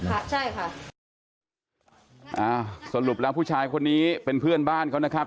ค่ะใช่ค่ะอ่าสรุปแล้วผู้ชายคนนี้เป็นเพื่อนบ้านเขานะครับ